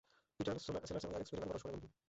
Peter Sellers এবং Alex Pettifer পরস্পরের বন্ধু।